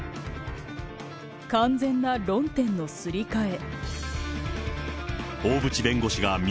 完全な論点のすり替え。